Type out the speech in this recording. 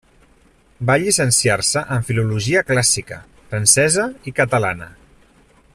Va llicenciar-se en filologia clàssica, francesa i catalana.